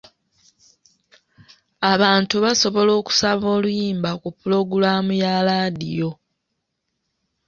Abantu basobola okusaba oluyimba ku pulogulaamu ya laadiyo.